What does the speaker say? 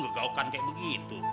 gak gaukan kayak begitu